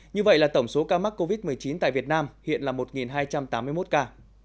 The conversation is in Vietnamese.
như vậy là tổng số ca mắc covid một mươi chín tại việt nam hiện là một hai trăm tám mươi một ca